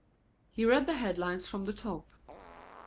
He read the headlines from the top.